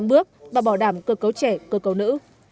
năm bước và bảo đảm cơ cấu trẻ cơ cấu nữ